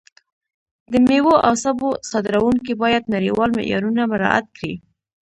د میوو او سبو صادروونکي باید نړیوال معیارونه مراعت کړي.